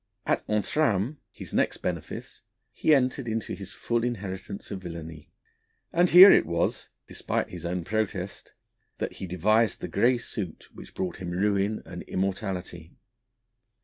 At Entrammes, his next benefice, he entered into his full inheritance of villainy, and here it was despite his own protest that he devised the grey suit which brought him ruin and immortality.